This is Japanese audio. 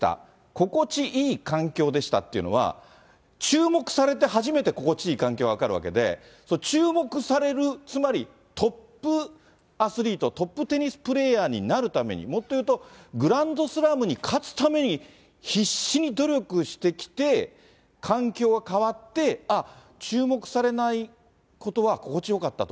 心地いい環境でしたっていうのは、注目されて初めて心地いい環境が分かるわけで、注目される、つまりトップアスリート、トップテニスプレーヤーになるために、もっと言うと、グランドスラムに勝つために必死に努力してきて、環境が変わって、あっ、注目されないことが心地よかったと。